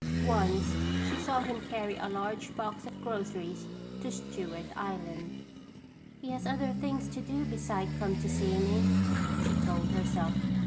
Once she saw him carry a large box of groceries to Stewart Island. "He has other things to do besides come to see me," she told herself.